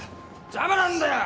邪魔なんだよ！